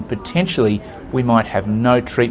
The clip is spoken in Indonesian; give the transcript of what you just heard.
kita mungkin tidak akan memiliki penyelamat